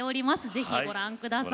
ぜひご覧下さい。